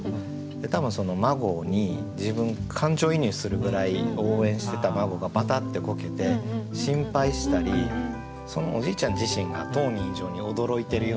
多分孫に自分感情移入するぐらい応援してた孫がバタッてこけて心配したりそのおじいちゃん自身が当人以上に驚いてるような。